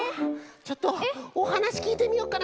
ちょっとおはなしきいてみよっかな。